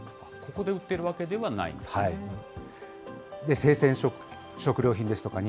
ここで売ってるわけではないんですね。